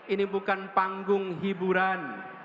ini bukan panggung hiburan